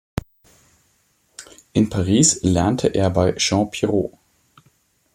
In Paris lernte er bei Jean Pirot.